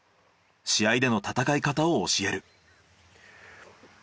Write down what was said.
試合での戦い方を教える。